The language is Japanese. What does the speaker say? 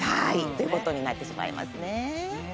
という事になってしまいますね。